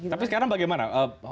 tapi sekarang bagaimana